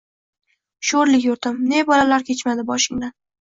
Shórlik yurtim! Ne balolar kechmadi boshingdan!